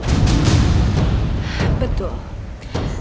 harus segera mendapatkan mustikasion itu